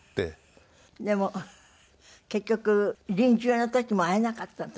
でも結局臨終の時も会えなかったって？